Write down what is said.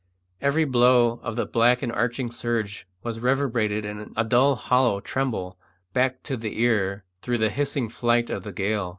Every blow of the black and arching surge was reverberated in a dull hollow tremble back to the ear through the hissing flight of the gale.